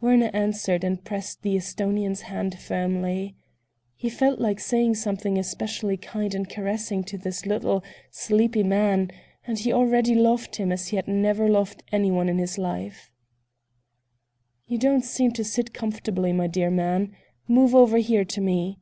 Werner answered and pressed the Esthonian's hand more firmly. He felt like saying something especially kind and caressing to this little, sleepy man, and he already loved him as he had never loved anyone in his life. "You don't seem to sit comfortably, my dear man. Move over here, to me."